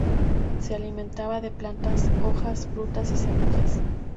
Se alimentaba de plantas, hojas, frutas y semillas.